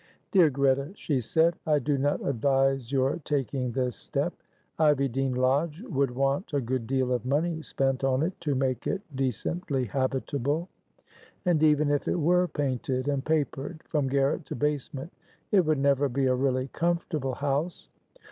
"Dear Greta," she said, "I do not advise your taking this step. Ivy Dene Lodge would want a good deal of money spent on it to make it decently habitable. And even if it were painted and papered from garret to basement it would never be a really comfortable house.